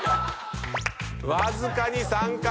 わずかに３回。